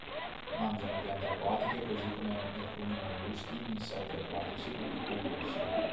Mangiano piante acquatiche così come alcuni molluschi, insetti acquatici e piccoli pesci.